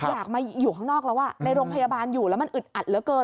อยากมาอยู่ข้างนอกแล้วในโรงพยาบาลอยู่แล้วมันอึดอัดเหลือเกิน